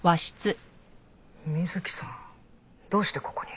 水木さんどうしてここに？